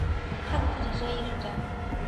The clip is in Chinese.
他的父亲是个艺术家。